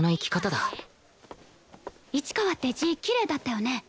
市川って字きれいだったよね？